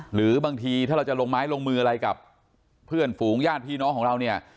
หรือบางทีถ้าเราจะลงไม้ลงมืออะไรกับเพื่อนฝูงญาติพี่น้องของเราเนี่ย